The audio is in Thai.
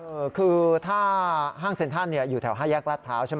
ก็คือถ้าห้างเซ็นทรัศน์อยู่แถวห้ายักษ์ราภร้าว